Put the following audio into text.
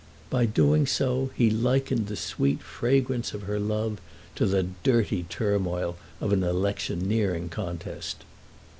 By doing so he likened the sweet fragrance of her love to the dirty turmoil of an electioneering contest.